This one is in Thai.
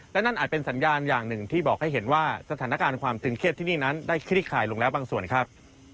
และนั่นอาจเป็นสัญญาณอย่างหนึ่งที่บอกให้เห็นว่าสถานการณ์ความตึงเครียดที่นี่นั้นได้คลิกข่ายลงแล้วบางส่วนครับ